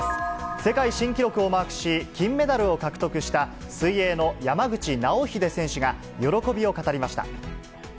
世界新記録をマークし、金メダルを獲得した、水泳の山口尚秀選手が、喜びを語りました。